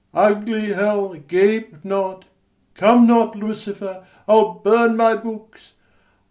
Ugly hell, gape not! come not, Lucifer! I'll burn my books!